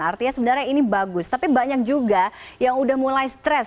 artinya sebenarnya ini bagus tapi banyak juga yang udah mulai stres